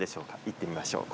行ってみましょう。